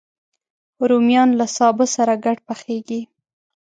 رومیان له سابه سره ګډ پخېږي